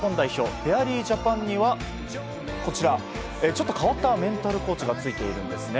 フェアリージャパンにはこちら、ちょっと変わったメンタルコーチがついているんですね。